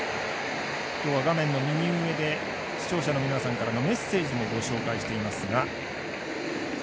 今日は、画面の右上で視聴者の皆さんからのメッセージもご紹介しています。